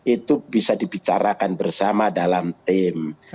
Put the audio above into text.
itu bisa dibicarakan bersama dalam tim